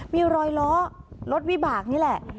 มีรอยล้อรถวิบากนี่แหละ